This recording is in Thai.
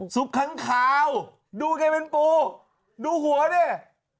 สุปข้างขาวดูไงเป็นปูดูหัวเนี่ย